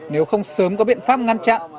nếu không sớm có biện pháp ngăn chặn